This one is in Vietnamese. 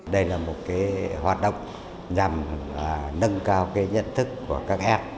đây là một hoạt động nhằm nâng cao nhận thức của các em